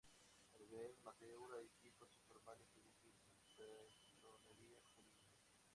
A nivel amateur hay equipos informales, es decir sin personería jurídica.